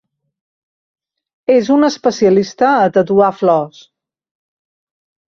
És un especialista a tatuar flors.